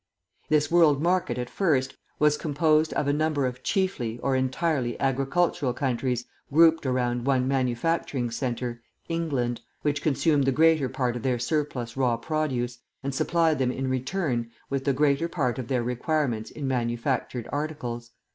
This world market, at first, was composed of a number of chiefly or entirely agricultural countries grouped around one manufacturing centre England which consumed the greater part of their surplus raw produce, and supplied them in return with the greater part of their requirements in manufactured articles.